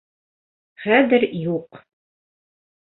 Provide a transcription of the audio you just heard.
Хәҙер юҡ...